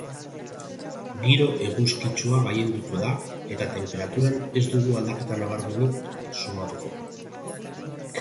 Giro eguzkitsua gailenduko da eta tenperaturan ez dugu aldaketa nabarmenik sumatuko.